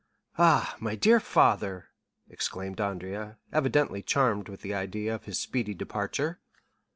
"Ah, my dear father!" exclaimed Andrea, evidently charmed with the idea of his speedy departure.